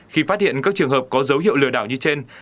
khi phát hiện các trường hợp có dấu hiệu lừa đảo như trên